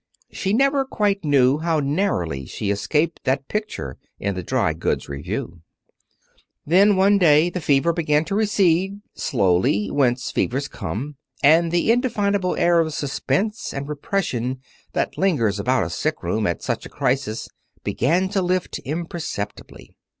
She never quite knew how narrowly she escaped that picture in the Dry Goods Review. Then one day the fever began to recede, slowly, whence fevers come, and the indefinable air of suspense and repression that lingers about a sick room at such a crisis began to lift imperceptibly.